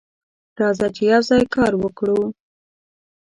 راځه چې یوځای کار وکړو.